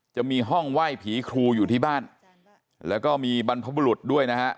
จะมีห้องไหว้ผีครูอยู่ที่บ้านแล้วก็มีบรรพบุรุษด้วยนะฮะ